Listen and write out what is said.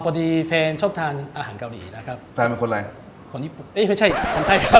พอดีแฟนชอบทานอาหารเกาหลีนะครับแฟนเป็นคนอะไรคนที่เอ๊ะไม่ใช่คนไทย